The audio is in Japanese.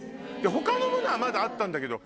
他のものはまだあったんだけど。